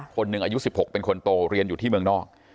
คนหนึ่งอายุ๑๖เป็นคนโตเรียนอยู่ที่เมืองนอก